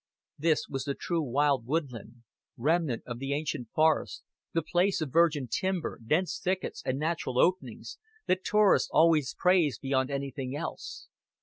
This was the true wild woodland, remnant of the ancient forest, the place of virgin timber, dense thickets, and natural openings, that tourists always praised beyond anything else.